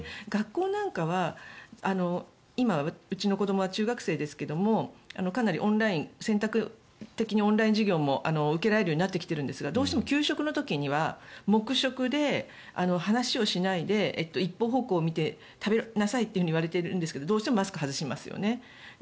学校なんかは今、うちの子どもは中学生ですけれどもかなりオンライン選択的にオンライン授業も受けられるようになってきていますがどうしても給食の時には黙食で、話をしないで一方方向を見て食べなさいと言われているんですがどうしてもマスクを外しますよね。